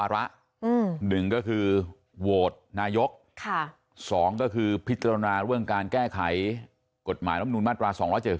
รวดนายก๒พิจารณาเรื่องการแก้ไขกฎหมายร้ำนูนมาตรา๒๗๒